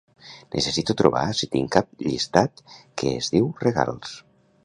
Necessito trobar si tinc cap llistat que es diu "regals".